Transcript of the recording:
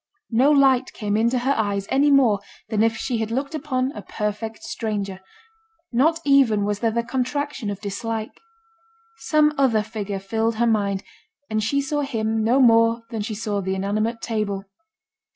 No light came into her eyes any more than if she had looked upon a perfect stranger; not even was there the contraction of dislike. Some other figure filled her mind, and she saw him no more than she saw the inanimate table.